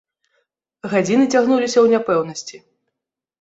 Гадзіны цягнуліся ў няпэўнасці.